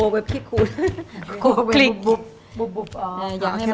เดี๋ยว